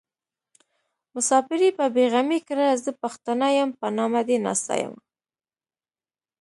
مساپري په بې غمي کړه زه پښتنه يم په نامه دې ناسته يمه